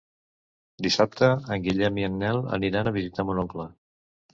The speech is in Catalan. Dissabte en Guillem i en Nel aniran a visitar mon oncle.